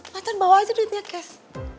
makan bawa aja duitnya cash